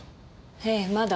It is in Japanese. ええまだ。